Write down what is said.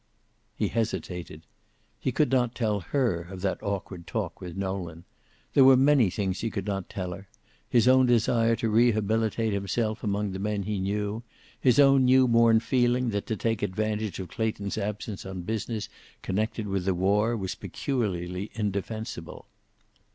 He hesitated. He could not tell her of that awkward talk with Nolan. There were many things he would not tell her; his own desire to rehabilitate himself among the men he knew, his own new born feeling that to take advantage of Clayton's absence on business connected with the war was peculiarly indefensible.